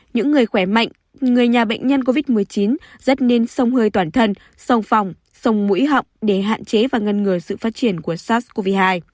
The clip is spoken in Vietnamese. những người khỏe mạnh người nhà bệnh nhân covid một mươi chín rất nên sông hơi toàn thân sông phòng sông mũi họng để hạn chế và ngăn ngừa sự phát triển của sars cov hai